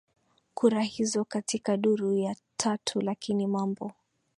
kura hizo katika duru ya tatu Lakini mambo